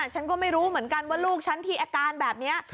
ฉันก็ไม่รู้เหมือนกันว่าลูกฉันที่อาการแบบนี้